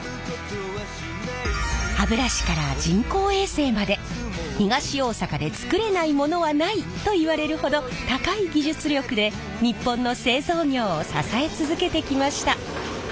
歯ブラシから人工衛星まで東大阪で作れないものはないといわれるほど高い技術力で日本の製造業を支え続けてきました。